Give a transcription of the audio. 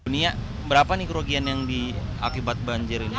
nia berapa nih kerugian yang diakibat banjir ini